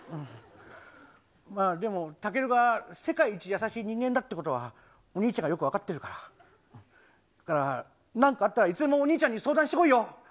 でも、たけるが世界一優しい人間だってことは、お兄ちゃんがよく分かってるから、だから、なんかあったらいつでもお兄ちゃんに相談してこいよ。